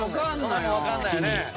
分かんないな。